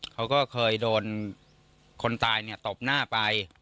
เขาก็เคยโดนคนตายเนี่ยตบหน้าไป